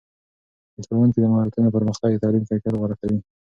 د ښوونکو د مهارتونو پرمختګ د تعلیم کیفیت غوره کوي.